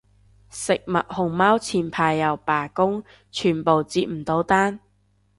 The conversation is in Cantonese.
食物熊貓前排又罷工，全部接唔到單